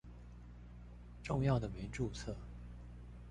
重要的沒註冊